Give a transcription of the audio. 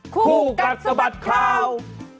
คู่กัดสะบัดข่าว